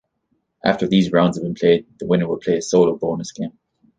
After these rounds have been played, the winner would play a solo bonus game.